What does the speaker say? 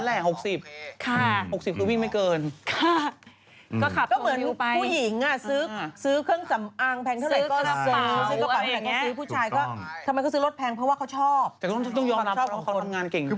แต่ต้องต้องยอมทำงานเก่งจริง